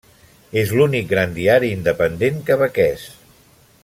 És l'únic gran diari independent quebequès.